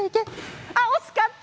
惜しかった！